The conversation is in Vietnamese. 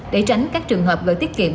để tránh các trường hợp gửi tiết kiệm